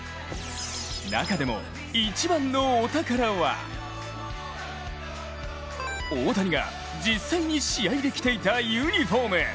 中でも一番のお宝は大谷が実際に試合で着ていたユニフォーム。